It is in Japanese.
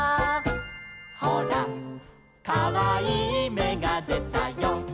「ほらかわいいめがでたよ」